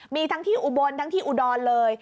มีทั้งที่อุบลทั้งที่อุดรเลย